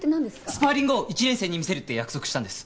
スパーリングを１年生に見せるって約束したんです。